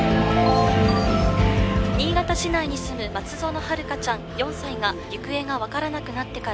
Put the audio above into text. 「新潟市内に住む松園遥香ちゃん４歳が行方がわからなくなってから」